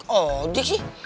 no jaga diri